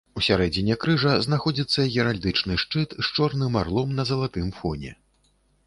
У сярэдзіне крыжа знаходзіцца геральдычны шчыт з чорным арлом на залатым фоне.